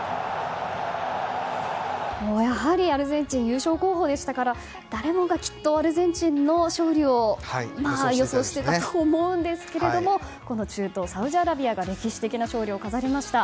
やはりアルゼンチンは優勝候補でしたから誰もがきっとアルゼンチンの勝利を予想していたと思うんですが中東サウジアラビアが歴史的勝利を飾りました。